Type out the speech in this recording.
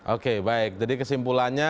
oke baik jadi kesimpulannya